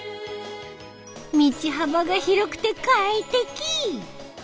道幅が広くて快適。